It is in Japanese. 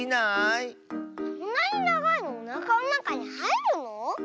そんなにながいのおなかのなかにはいるの？